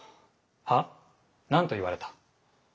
は？何と言われた。